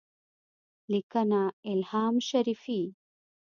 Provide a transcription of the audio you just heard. -لیکنه: الهام شریفي